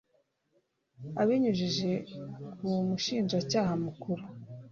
abinyujije ku mushinjacyaha mukuru